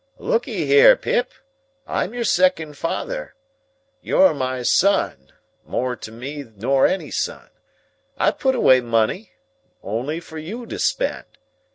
"Look'ee here, Pip. I'm your second father. You're my son,—more to me nor any son. I've put away money, only for you to spend.